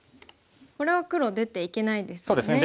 これは黒出ていけないですね。